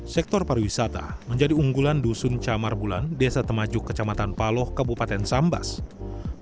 sektor pariwisata menjadi unggulan dusun camar bulan desa temajuk kecamatan paloh kabupaten sambas